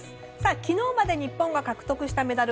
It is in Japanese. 昨日まで、日本が獲得したメダル